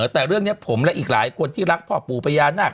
แต่เรื่องนี้ผมและอีกหลายคนที่รักพ่อปู่พญานาค